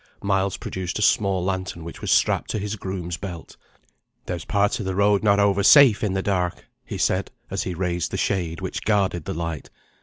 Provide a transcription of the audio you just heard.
Miles produced a small lantern which was strapped to his groom's belt. "There's parts of the road not over safe in the dark," he said as he raised the shade which guarded the light.